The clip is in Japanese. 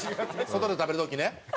外で食べる時ね。